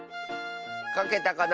かけたかな？